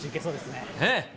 ねえ。